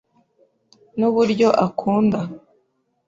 Nuburyo akunda.